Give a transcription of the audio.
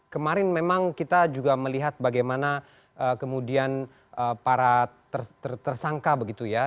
kemarin memang kita juga melihat bagaimana kemudian para tersangka begitu ya